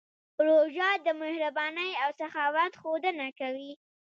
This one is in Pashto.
روژه د مهربانۍ او سخاوت ښودنه کوي.